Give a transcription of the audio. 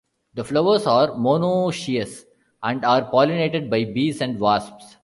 The flowers are monoecious and are pollinated by bees and wasps.